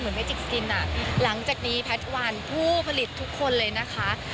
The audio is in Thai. เมจิกสกินอ่ะหลังจากนี้แพทย์วันผู้ผลิตทุกคนเลยนะคะ